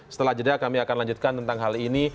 setelah jeda kami akan lanjutkan tentang hal ini